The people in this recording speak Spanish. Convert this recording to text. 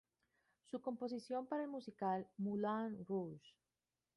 Su composición para el musical "Moulin Rouge!